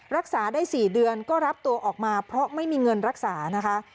รักษาได้๔เดือนก็รับตัวออกมาเพราะไม่มีเงินรักษานะคะ